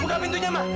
buka pintunya ma